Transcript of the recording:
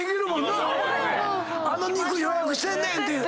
あの肉予約してんねんって。